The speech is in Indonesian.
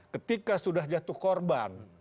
ketika sudah jatuh korban